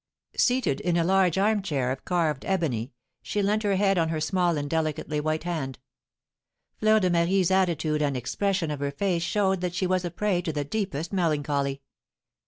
Seated in a large armchair of carved ebony, she leant her head on her small and delicately white hand. Fleur de Marie's attitude and the expression of her face showed that she was a prey to the deepest melancholy.